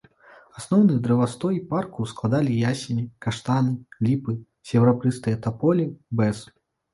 Асноўны дрэвастой парку складалі ясені, каштаны, ліпы, серабрыстыя таполі, бэз.